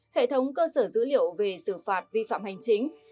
hệ thống cơ sở dữ liệu về xử phạt vi phạm hành chính